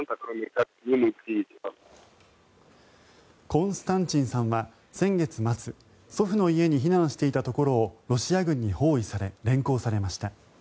コンスタンチンさんは先月末祖父の家に避難していたところをロシア軍に包囲され連行されました。